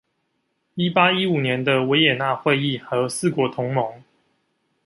一八一五年的維也納會議和四國同盟